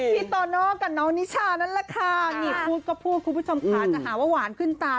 พี่โตโน่กับน้องนิชานั่นแหละค่ะนี่พูดก็พูดคุณผู้ชมขาจะหาว่าหวานขึ้นตา